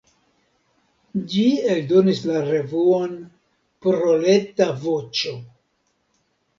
Ĝi eldonis la revuon "Proleta Voĉo".